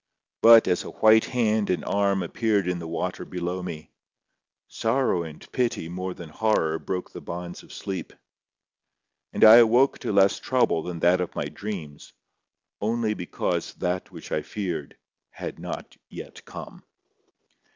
But as a white hand and arm appeared in the water below me, sorrow and pity more than horror broke the bonds of sleep, and I awoke to less trouble than that of my dreams, only because that which I feared had not yet come.